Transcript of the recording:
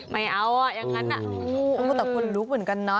ไม่เอาอ่ะอย่างนั้นแต่คนลุกเหมือนกันเนาะ